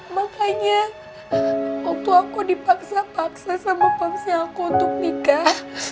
makanya waktu aku dipaksa paksa sama ponselku untuk nikah